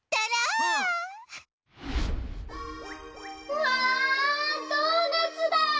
うわドーナツだ！